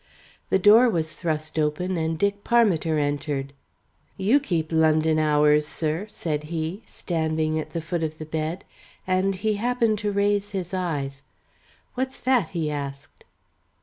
The door was thrust open and Dick Parmiter entered. "You keep London hours, sir," said he, standing at the foot of the bed, and he happened to raise his eyes. "What's that?" he asked.